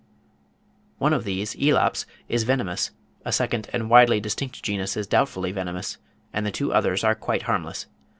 One of these, Elaps, is venomous; a second and widely distinct genus is doubtfully venomous, and the two others are quite harmless.